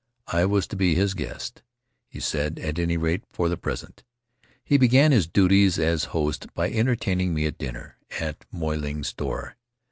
I was to be his guest, he said, at any rate for the present. He began his duties as host by entertaining me at dinner at Moy Ling's store.